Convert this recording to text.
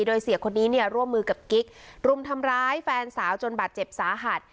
โดยเสียคนนี้เนี่ยร่วมมือกับกิ๊กรุมทำร้ายแฟนสาวจนบาดเจ็บสาหัส